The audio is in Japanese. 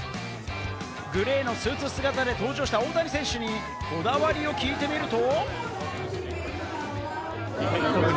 グレーのスーツ姿で登場した大谷選手にこだわりを聞いてみると。